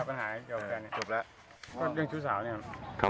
ก็เรื่องชู้สาวนี่ครับ